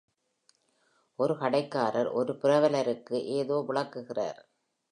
ஒரு கடைக்காரர் ஒரு புரவலருக்கு ஏதோ விளக்குகிறார்.